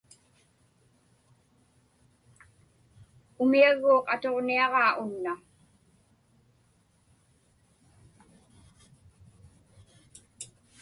Umiagguuq atuġniaġaa unna.